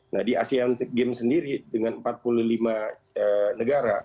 nah di asean games sendiri dengan empat puluh lima negara